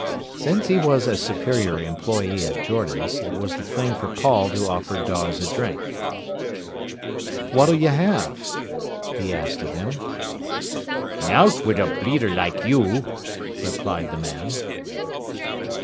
Since he was a superior employee at Jordan's, it was the thing for Paul to offer Dawes a drink. "What'll you have?" he asked of him. "Nowt wi' a bleeder like you!" replied the man.